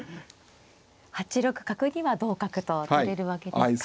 ８六角には同角と取れるわけですか。